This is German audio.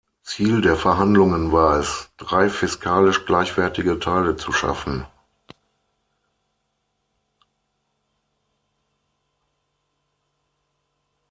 Ziel der Verhandlungen war es, drei fiskalisch gleichwertige Teile zu schaffen.